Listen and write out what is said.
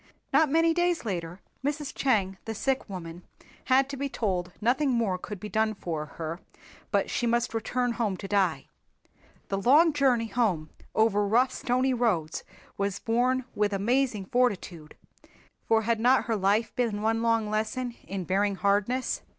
Not many days later, Mrs. Chang, the sick woman, had to be told nothing more could be done for her but she must return home to die. The long journey home over rough stony roads was borne with amazing fortitude, for had not her life been one long lesson in bearing hardness.